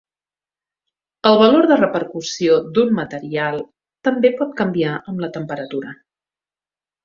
El valor de repercussió d"un material també pot canviar amb la temperatura.